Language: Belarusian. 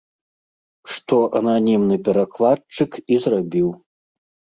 Што ананімны перакладчык і зрабіў.